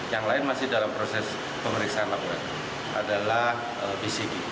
yang lain masih dalam proses pemeriksaan laboratorium adalah bcg